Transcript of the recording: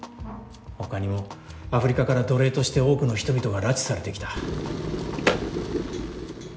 他にもアフリカから奴隷として多くの人々が拉致されてきた。